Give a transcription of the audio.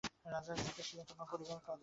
রাজা জিজ্ঞাসিলেন, তোমার পরিবার কত?